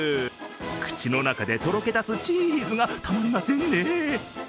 口の中でとろけ出すチーズがたまりませんね。